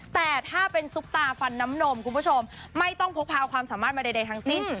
แต่ถ้าเป็นซุปตาฟันน้ำนมคุณผู้ชมไม่ต้องพกพาความสามารถมาใดทั้งสิ้น